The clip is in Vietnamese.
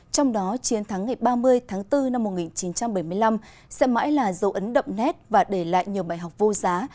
trong đó chiến thắng ngày ba mươi tháng bốn năm một nghìn chín trăm bảy mươi năm sẽ mãi là dấu ấn đậm nét và để lại nhiều bài học vô giá